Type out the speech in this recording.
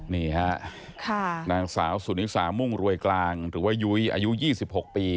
นี่ฮะนางสาวสุนิสามุ่งรวยกลางหรือว่ายุ้ยอายุ๒๖ปี